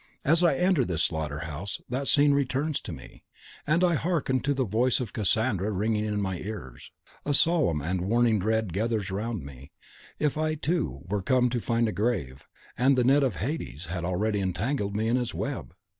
As I enter this slaughter house that scene returns to me, and I hearken to the voice of Cassandra ringing in my ears. A solemn and warning dread gathers round me, as if I too were come to find a grave, and "the Net of Hades" had already entangled me in its web!